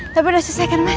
tapi udah selesai kan mas